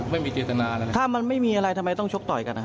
ไม่ใช่ถ้ามีอะไรก็ถ้ามีท่านได้กลับมาอมายกดลองคุณพี่